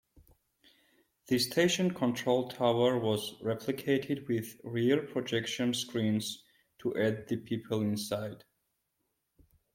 The station control tower was replicated with rear-projection screens to add the people inside.